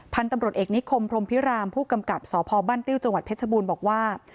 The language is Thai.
พันธุ์ตำรวจเอกนิคมพรมพิรามผู้กำกับสพบ้านติ้วจังหวัดเพชรบูรณ์บอกว่า